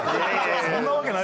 そんなわけないでしょ！